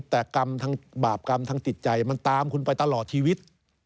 แต่กรรมทางบาปกรรมทางจิตใจมันตามคุณไปตลอดชีวิต